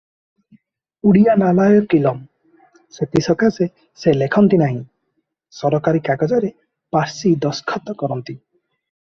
ଓଡ଼ିଆ ନାଲାଏକ୍ ଇଲମ, ସେଥିସକାଶେ ସେ ଲେଖନ୍ତି ନାହିଁ, ସରକାରୀ କାଗଜରେ ପାର୍ଶି ଦସ୍ତଖତ କରନ୍ତି ।